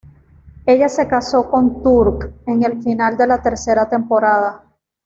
Ella se casó con Turk en el final de la tercera temporada.